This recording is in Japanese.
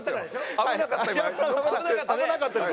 危なかったです。